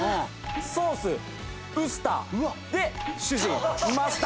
ソースウスター。で主人マスター。